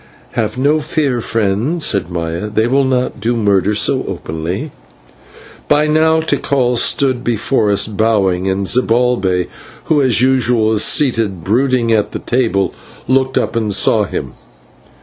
"Have no fear, friend," said Maya, "they will not do murder so openly." By now Tikal stood before us, bowing, and Zibalbay, who as usual was seated brooding at the table, looked up and saw him.